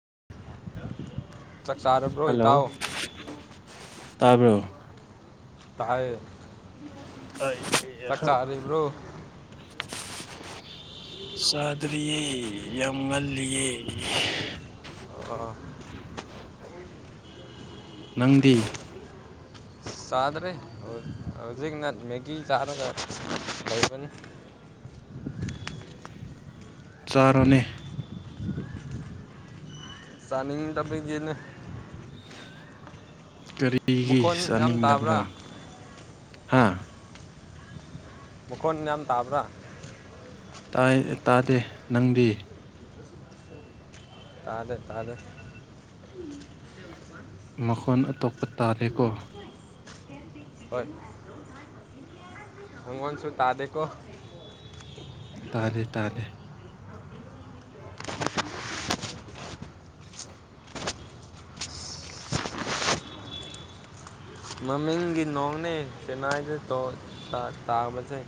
[inaudible] ꯆꯥꯔꯕ꯭ꯔꯣ ꯏꯇꯥꯎ ꯍꯜꯂꯣ ꯇꯥꯕ꯭ꯔꯣ ꯇ ꯑꯩ ꯁꯥꯗꯔꯤꯌꯦ ꯌꯥꯝ ꯉꯜꯦ ꯑꯣ ꯅꯪꯗꯤ ꯆꯗ꯭ꯔꯦ ꯍꯧꯖꯤꯛꯅ ꯃꯦꯒꯒꯤ ꯆꯥꯔꯗ ꯂꯩꯕꯅꯤ ꯐ ꯆꯔꯅꯦ ꯆꯅꯤꯡ ꯇꯥꯄꯤ ꯌꯦꯂ ꯀꯔꯤꯒꯤ ꯃꯈꯣꯟ ꯌꯥꯝ ꯇꯥꯕ꯭ꯔꯥ ꯆꯥꯅꯤꯡꯗꯕ꯭ꯔꯥ ꯍꯥ ꯃꯈꯣꯟ ꯌꯥꯝ ꯇꯥꯕ꯭ꯔꯥ ꯇꯥꯗꯦ ꯅꯪꯗꯤ ꯇꯥꯗꯦ ꯇꯥꯗꯦ ꯃꯈꯟ ꯑ ꯇꯣꯄ ꯇꯥꯔꯦꯀꯣ ꯍ ꯍꯪꯃꯟꯁꯨ ꯇꯥꯗꯦꯀ ꯇꯥꯗꯦ ꯇꯥꯗꯦ ꯃꯃꯤꯡꯒꯤ ꯅꯣꯡꯅꯦ ꯆꯦꯟꯅꯥꯏꯗ ꯇꯥꯕꯁꯦ ꯑ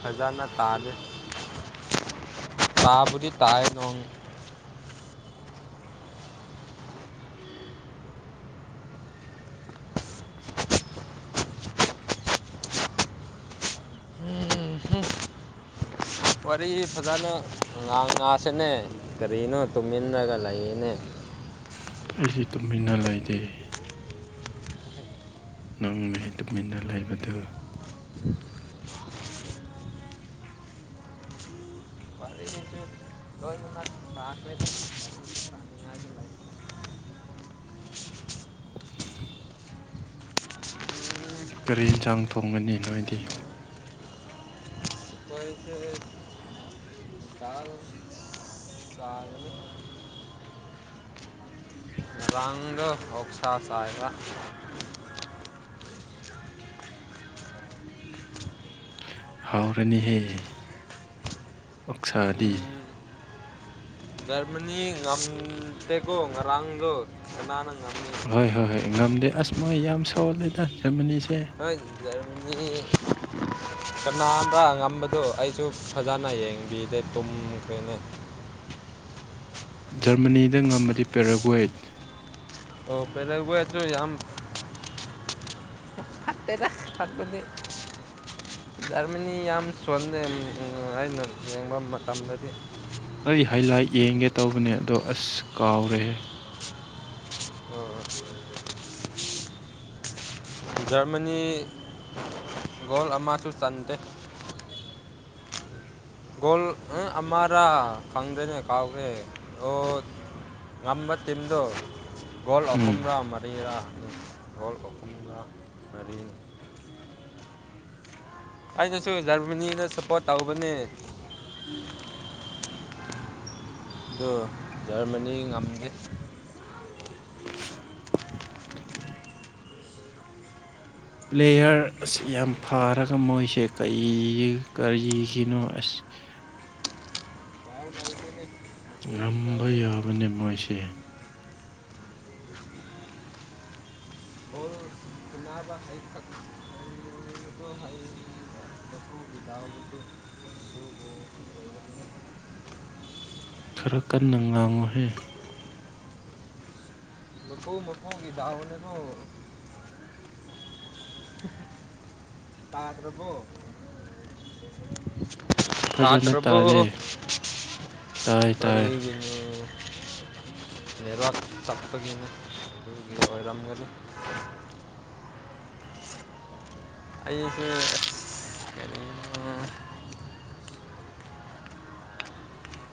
ꯐꯖꯅ ꯇꯥꯜꯜꯂꯤꯦ ꯇꯥꯕꯨ ꯇꯥꯏ ꯂꯣꯡ ꯋꯥꯔꯤ ꯐꯖꯅ ꯉꯥꯡ ꯉꯁꯤꯅꯦ ꯀꯔꯤꯅꯣ ꯇꯨꯃꯤꯟꯅꯂꯒ ꯂꯩꯅꯦ ꯑꯩꯁꯦ ꯇꯨꯃꯤꯟꯅ ꯂꯩꯇꯦ ꯅꯪꯅ ꯇꯨꯃꯤꯟꯅ ꯂꯩꯕꯗꯨ ꯀꯔꯤ ꯌꯦꯟꯁꯥꯡ ꯊꯣꯡꯒꯅꯤ ꯅꯣꯏꯗꯤ ꯁꯥꯔꯒ ꯍꯥꯎꯔꯅꯤꯍꯦ ꯑꯣꯛꯁꯥꯗꯤ ꯑꯝ ꯇꯀꯣ ꯉꯔꯥꯡꯗ ꯍꯣꯏ ꯍꯣꯏ ꯍꯣꯏ ꯉꯝꯗꯦ ꯑꯁ ꯃꯣꯏ ꯌꯥꯝ ꯁꯣꯜꯂꯦꯗ ꯖꯔꯃꯅꯤ ꯍ ꯔꯗꯤ ꯀꯅꯥꯕꯥ ꯉꯝꯕꯗꯨꯣ ꯑꯩꯁꯨ ꯐꯖꯅ ꯌꯦꯡꯕꯤꯗꯦ ꯇꯨꯝꯈ꯭ꯔꯦꯅꯦ [inaudible] ꯖꯔꯃꯅꯤꯗ ꯉꯝꯃꯗꯤ ꯄꯦꯔꯥꯒꯋꯦꯠ ꯑꯣ ꯄꯂ ꯇ ꯌꯥꯝ ꯐꯦ ꯇ ꯐꯠꯄꯅꯦꯗꯤ ꯖꯔꯃꯅꯤ ꯌꯥꯝ ꯁꯣꯟꯂꯦ ꯑꯩꯅ ꯌꯦꯡꯕ ꯃꯇꯝꯗꯗꯤ ꯑꯩ ꯍꯥꯏꯂꯥꯏ ꯌꯦꯡꯒꯦ ꯇꯧꯕꯅꯦ ꯑꯗꯣ ꯑꯁ ꯀꯥꯎꯔꯦ ꯑꯣ ꯍ ꯖꯔꯃꯅꯤ ꯒꯣꯜ ꯑꯃꯁꯨ ꯆꯟꯗꯦ ꯣꯜ ꯑ ꯑꯃꯥꯔꯥ ꯈꯪꯗꯅꯦ ꯈꯥꯎꯒ ꯑꯣ ꯉꯝꯕ ꯇꯤꯝꯗꯨ ꯒꯣꯜ ꯎꯝ ꯑꯍꯨꯝꯔꯥ ꯃꯔꯤꯔꯥ ꯍ ꯀꯄꯟꯂ ꯑꯩꯅꯁꯨ ꯖꯔꯃꯅꯤꯗ ꯁꯄꯣꯔꯠ ꯇꯧꯕꯅꯦ ꯑꯗꯨꯣ ꯖꯔꯃꯅꯤ ꯉꯝꯒꯦ ꯄ꯭ꯂꯦꯌꯥꯔ ꯑꯁ ꯌꯥꯝ ꯐꯥꯔꯒ ꯃꯣꯏꯁꯦ ꯀꯔꯤ ꯀꯔꯤꯒꯤꯅꯣ ꯑꯁ [inaudible] ꯉꯔꯝꯕ ꯌꯥꯕꯅꯦ ꯃꯣꯏꯁꯦ ꯕꯣꯜ ꯁꯥꯟꯅꯕ ꯍꯩꯈꯛ ꯍꯩꯕꯗꯣ ꯍꯩꯕ ꯃꯄꯨꯒꯤ ꯗꯥꯎꯗꯨ ꯑꯗꯨꯕꯨ ꯈꯔ ꯀꯟꯅ ꯉꯥꯡꯉꯨꯍꯦ ꯍꯒꯤꯗꯗꯥꯅꯦꯗꯨ ꯇꯥ꯭ꯔꯔꯕꯣ ꯐꯖꯅ ꯇꯥꯇ꯭ꯔꯕꯨꯣ ꯇꯥꯗꯦ ꯇꯥꯏ ꯇꯥꯏ ꯀꯔꯤ ꯅꯠꯋꯥ ꯆꯞꯄꯒꯤꯅꯦ ꯑꯣꯏꯔꯝꯒ ꯑꯩ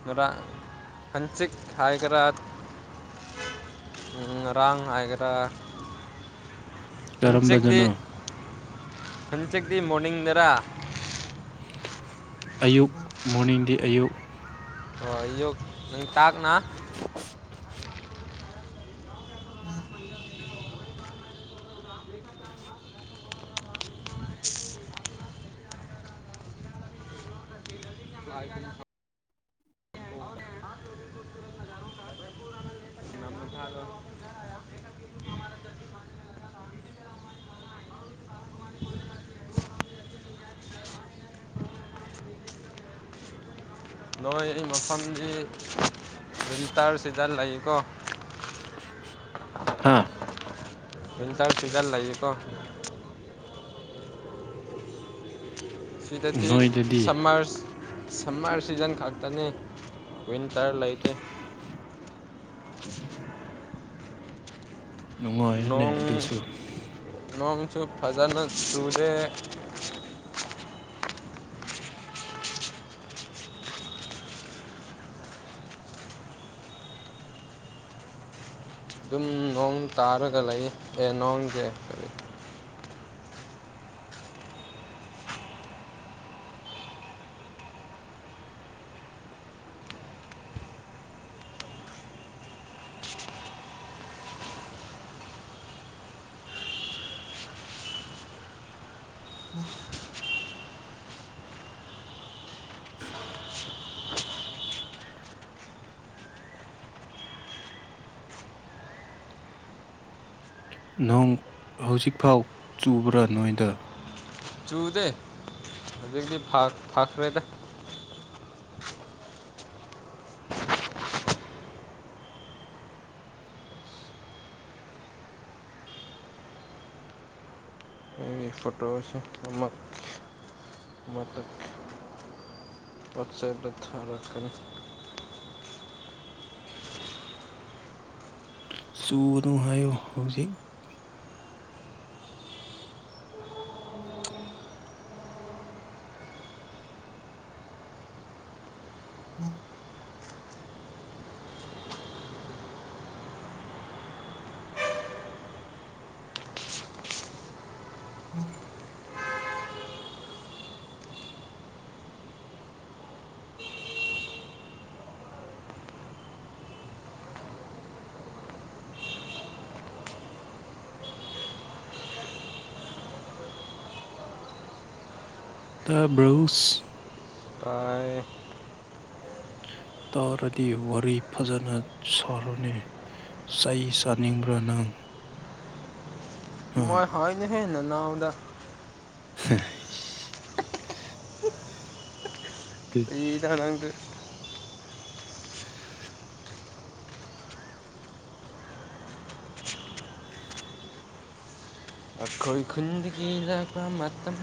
ꯃ ꯍꯪꯁꯤꯛ ꯍꯥꯏꯒꯔ ꯔꯥꯡ ꯍꯥꯏꯒ꯭ꯔꯥ ꯀꯔꯝꯕꯗꯅꯣ ꯍꯪꯆꯦꯛꯗꯤ ꯃꯣꯔꯅꯤꯡꯅꯤꯡꯗꯔꯥ ꯑꯌꯨꯛ ꯃꯣꯔꯅꯤꯡꯗꯤ ꯑꯌꯨꯛ ꯍꯣꯏ ꯑꯌꯨ ꯅꯪ ꯇꯥꯛꯅ ꯎꯝ [inaudible] ꯅꯣꯏ ꯃꯐꯝꯗꯤ ꯋꯤꯟꯇꯔ ꯁꯤꯗ ꯂꯩꯀꯣ ꯍꯥꯥ ꯋꯤꯟꯇꯔ ꯁꯤꯖꯟ ꯂꯩꯌꯦꯀꯣ ꯁꯤꯗꯗꯤ ꯅꯣꯏꯗꯗꯤ ꯁꯝꯃꯔ ꯁꯝꯃꯔ ꯁꯤꯖꯟ ꯈꯛꯇꯅꯤ ꯋꯤꯟꯇꯔ ꯂꯩꯇꯦ [inaudible] ꯅꯨꯡꯉꯥꯏꯔꯅꯦ ꯅꯣꯡ ꯑꯗꯨꯁꯨ ꯅꯣꯡꯣꯡꯁꯨ ꯐꯖꯜ ꯆꯗꯦ ꯑꯗꯨꯝ ꯅꯣꯡ ꯇꯥꯔꯒ ꯂꯩ ꯑꯦ ꯅꯣꯡꯁꯦ ꯀꯔꯤ ꯎ [inaudible] ꯅꯣꯡ ꯍꯧꯖꯤꯛꯐꯥꯎ ꯆꯨꯕ꯭ꯔꯥ ꯅꯣꯏꯗ ꯆꯨꯗꯦ ꯍꯧꯖꯤꯛꯇꯗꯤ ꯐꯈ꯭ꯔꯦꯗ ꯑꯩ ꯐꯇꯣꯁ ꯑꯃꯛ ꯃ ꯄꯠꯁꯥꯏꯠꯗ ꯊꯔꯠꯀꯅꯤ ꯁꯨꯅꯨ ꯍꯥꯏꯣ ꯍꯧꯖꯤꯛ ꯎꯝ ꯎꯝ ꯇꯕ꯭ꯔꯨꯁ ꯇꯥꯏ [inaudible] ꯇꯧꯔꯗꯤ ꯋꯥꯔꯤ ꯐꯖꯅ ꯁꯥꯔꯨꯅꯤ ꯆꯩ ꯆꯥꯅꯤꯡꯕ꯭ꯔꯥ ꯅꯪ [inaudible] ꯑ ꯃꯣꯏ ꯍꯥꯏꯅ ꯍꯦꯟꯅ ꯅꯥꯎꯗ [inaudible] ꯑꯩꯗ ꯍꯅꯒ ꯑꯩꯈꯣꯏ ꯈꯨꯟꯗꯤꯒꯤꯗ ꯃꯇꯝ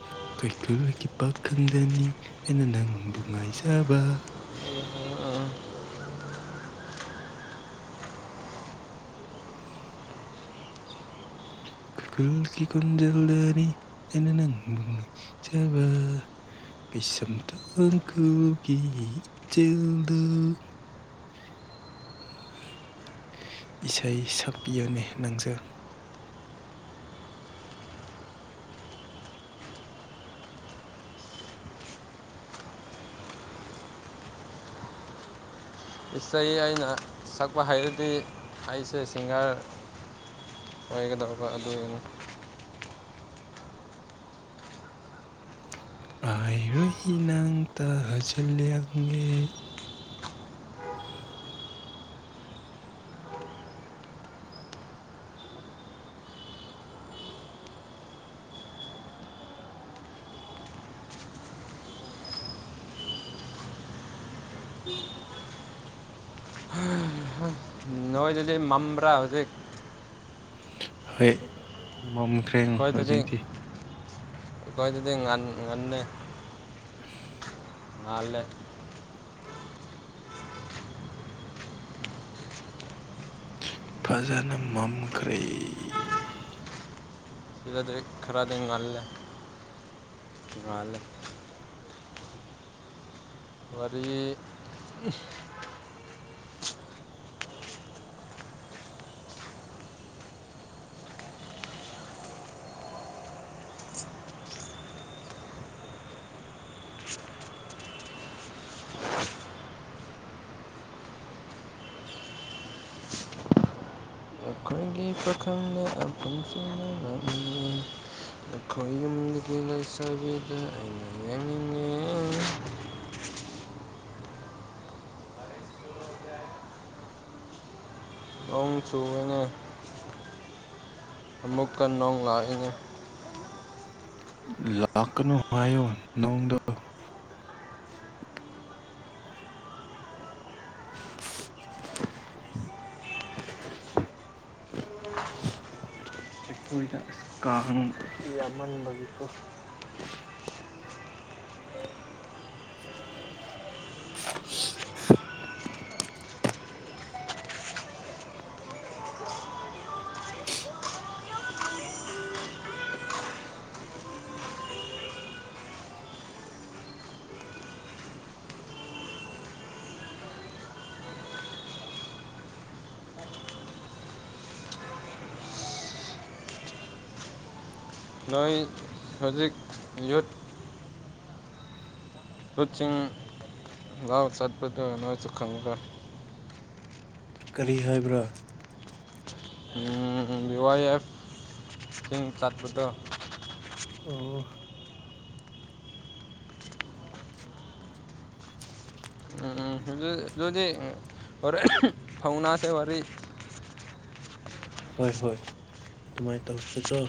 ꯎꯝ ꯀꯩꯊꯨꯜꯒꯤ ꯄꯥꯛ ꯈꯪꯗꯅꯤ ꯑꯩꯅ ꯅꯪꯕꯨ ꯉꯥꯏꯖꯕ ꯎ ꯎ [inaudible] ꯜ ꯀ ꯀꯣꯟꯖꯦꯜꯗꯅꯤ ꯑꯩꯅ ꯅꯪ ꯆꯦꯕ ꯀꯁꯝ ꯊ ꯑꯪꯈꯜꯒꯤ ꯆꯦꯜꯗ [inaudible] ꯏꯁꯩꯥꯏ ꯁꯛꯄꯤꯌꯅꯦ ꯅꯪꯖ ꯏꯁꯩ ꯑꯩꯅ ꯁꯛꯄ ꯍꯥꯏꯩꯔꯗꯤ ꯑꯩꯁꯦ ꯁꯤꯡꯒꯔ ꯑꯣꯏꯒꯗꯧꯕ ꯑꯗꯨꯩꯅ ꯍꯥꯏꯔꯨ ꯅꯪ ꯇ ꯍꯖꯤꯂꯪꯒꯦ ꯅꯣꯏ ꯗꯦꯜꯂꯤ ꯃꯝꯕ꯭ꯔꯥ ꯍꯧꯖꯤꯛ ꯍꯣꯏ ꯃꯝꯈ꯭ꯔꯦ ꯑꯩꯈꯣꯏꯗꯗꯤ ꯍꯧꯖꯤꯛꯇꯤ ꯉꯥꯟ ꯉꯥꯟ [inaudible] ꯃꯥꯂ ꯐꯖꯅ ꯃꯝꯈ꯭ꯔꯦ ꯁꯤꯂꯗꯤ ꯈꯔꯗꯤꯅ ꯉꯜ ꯉ ꯋꯥꯔꯤꯔꯤ ꯑꯩ ꯄꯈꯅ ꯑ ꯄꯨꯪꯁꯤꯡꯅ ꯂ ꯈꯣꯏ ꯌ ꯁꯕꯤꯗ ꯑꯩꯅ ꯌꯦꯡꯉꯉꯦ ꯑꯁꯨꯨ ꯑꯩꯅ ꯑꯃꯃꯨꯛꯀꯟ ꯅꯣꯡꯂꯥ ꯏꯉ ꯂꯥꯛꯀꯅꯨ ꯍꯥꯏꯌꯣ ꯅꯣꯡꯗ [inaudible] ꯎꯝ ꯑꯩꯈꯣꯏꯗ ꯑ ꯀꯥꯡ ꯌꯥꯝꯃꯟꯕꯒꯤꯀꯣ [inaudible] [inaudible] ꯅꯣꯏ ꯍꯧꯖꯤꯛ ꯌꯨꯠ ꯁꯤꯡꯤꯡ ꯂꯥꯎ ꯆꯠꯄꯗ ꯅꯣꯏꯁꯨ ꯈꯪꯒ ꯀꯔꯤ ꯍꯥꯏꯕ꯭ꯔꯥ ꯕꯤ ꯋꯥꯥꯏ ꯑꯦꯐ ꯇꯤꯡ ꯆꯠꯄꯗ ꯑꯣ ꯎꯝ ꯑꯗꯨꯗꯤꯔ ꯐꯧꯅꯥꯁꯦ ꯋꯥꯔꯤꯔꯤ ꯍꯣꯏ ꯍꯣꯏ ꯑꯗꯨꯃꯥꯏꯅ ꯇꯧꯁꯤꯀꯣ